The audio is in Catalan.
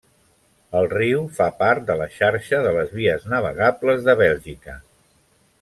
El riu fa part de la xarxa de les vies navegables de Bèlgica.